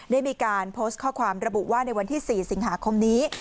ได้มีการโพสต์ข้อความระบุว่าในวันที่๔สิงหาคมนี้